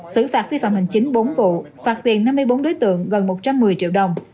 xử phạt vi phạm hành chính bốn vụ phạt tiền năm mươi bốn đối tượng gần một trăm một mươi triệu đồng